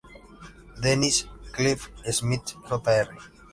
Dennis Cliff Smith Jr.